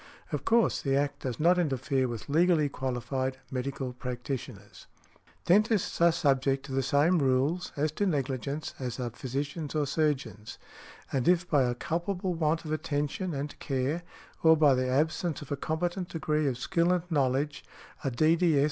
Of course, the Act does not interfere with legally qualified medical practitioners . Dentists are subject to the same rules, as to negligence, as are physicians or surgeons , and if by a culpable want of attention and care, or by the absence of a competent degree of skill and knowledge, a D.D.S.